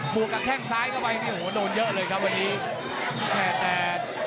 บวกกับแทงซ้ายเข้าไปโหโหโดนเยอะเลยครับวันนี้